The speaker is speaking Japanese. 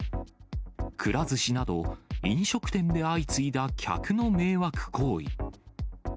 くら寿司など、飲食店で相次いだ客の迷惑行為。